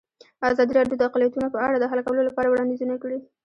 ازادي راډیو د اقلیتونه په اړه د حل کولو لپاره وړاندیزونه کړي.